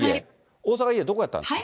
大阪の家、どこやったんですか？